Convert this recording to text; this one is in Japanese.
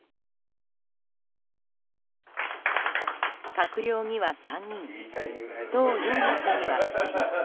閣僚には３人党四役には２人。